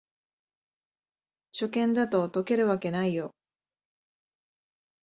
初見だと解けるわけないよ